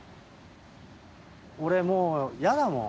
俺もうイヤだもん。